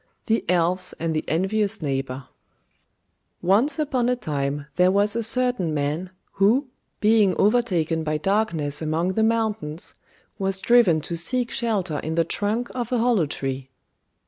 THE ELVES AND THE ENVIOUS NEIGHBOUR Once upon a time there was a certain man, who, being overtaken by darkness among the mountains, was driven to seek shelter in the trunk of a hollow tree.